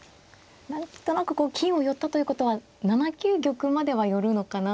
何となくこう金を寄ったということは７九玉までは寄るのかなと。